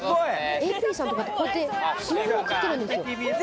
ＡＰさんとか、こうやってスマホをかけるんですよ。